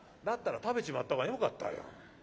だったら食べちまった方がよかったよ。